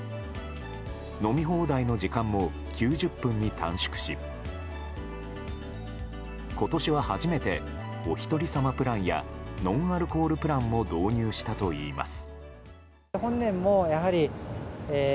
飲み放題の時間も９０分に短縮し今年は初めてお一人様プランやノンアルコールプランを導入したといいます。